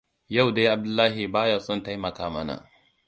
Yau dai Abdullahi ba ya son taimaka mana.